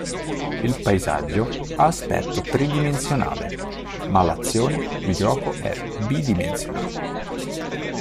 Il paesaggio ha aspetto tridimensionale ma l'azione di gioco è bidimensionale.